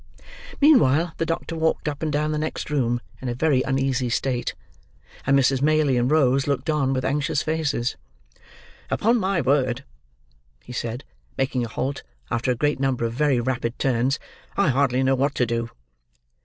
Meanwhile, the doctor walked up and down the next room in a very uneasy state; and Mrs. Maylie and Rose looked on, with anxious faces. "Upon my word," he said, making a halt, after a great number of very rapid turns, "I hardly know what to do."